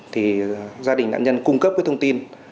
thì gia đình nạn nhân cung cấp cái thông tin